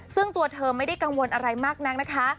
ซึ่งตัวเธอไม่ได้กังวลอะไรมากนักนะคะ